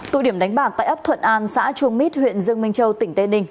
tụ điểm đánh bạc tại ấp thuận an xã chuông mít huyện dương minh châu tỉnh tây ninh